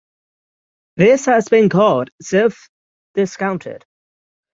This has been called 'self-discounted'.